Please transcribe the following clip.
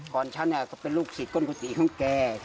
ก่อนช่างั้นก็เป็นลูกศิษย์กล้องกุฏิของแก